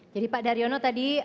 jadi pak daryono tadi